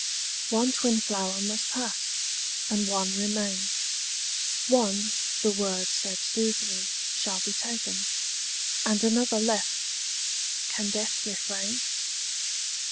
One twin flower must pass, and one remain: One, the word said soothly, shall be taken, And another left: can death refrain?